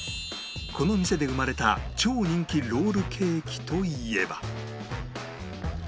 この店で生まれた超人気ロールケーキといえば